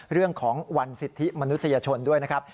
เรื่องของวันสิทธิมนุษยชนด้วยนะครับ